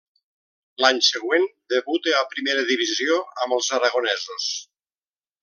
L'any següent debuta a primera divisió amb els aragonesos.